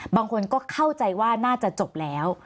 บางคนก็เข้าใจว่าน่าจะจบแล้ว